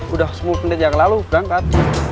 udah sepuluh menit yang lalu berangkat